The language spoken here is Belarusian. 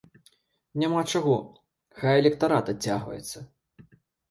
Няма чаго, хай электарат адцягваецца!